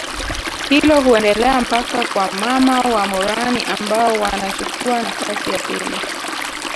Hilo huendelea mpaka kwa mama wa morani ambao wanachukuwa nafasi ya pili